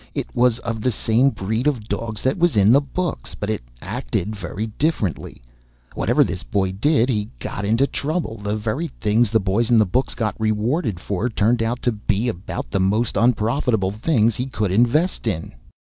It was of the same breed of dogs that was in the books, but it acted very differently. Whatever this boy did he got into trouble. The very things the boys in the books got rewarded for turned out to be about the most unprofitable things he could invest in.